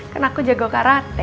kan aku jago karate